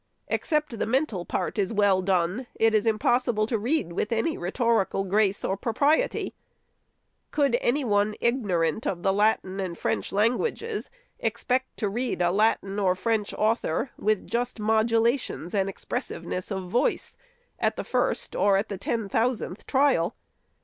Except the mental part is well done, it is impossible to read with any rhetorical grace or propriety. Could any one, ignorant of the Latin and French languages, expect to read a Latin or French author with just modulations and expressive ness of voice, at the first or at the ten thousandth trial